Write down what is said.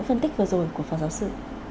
phân tích vừa rồi của phó giáo sự